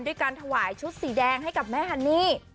ด้วยการถวายชุดสีแดงให้กับแม่ฮันนี่